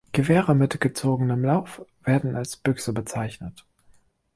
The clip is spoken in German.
Gewehre mit gezogenem Lauf werden als Büchse bezeichnet.